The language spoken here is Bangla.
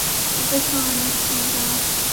এত সময় নিচ্ছেন কেন?